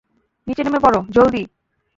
নিচে নেমে পড়ো জলদি!